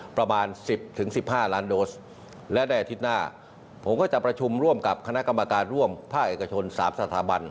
ประมาณ๑๐๑๕ล้านโดสและในอาทิตย์หน้าผมก็จะประชุมร่วมกับคณะกรรมการร่วมภาคเอกชน๓สถาบัน